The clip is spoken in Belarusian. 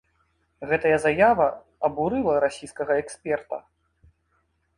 Гэтая заява абурыла расійскага эксперта.